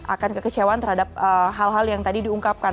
akan kekecewaan terhadap hal hal yang tadi diungkapkan